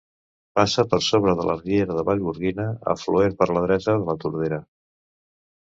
Passa per sobre de la riera de Vallgorguina, afluent per la dreta de la Tordera.